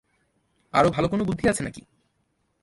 আরো ভালো কোনো বুদ্ধি আছে নাকি?